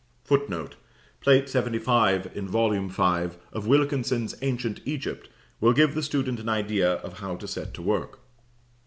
[Footnote: Plate 75 in Vol. V. of Wilkinson's "Ancient Egypt" will give the student an idea of how to set to work.